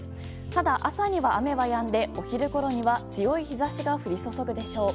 ただ、朝には雨はやんでお昼ごろには強い日差しが降り注ぐでしょう。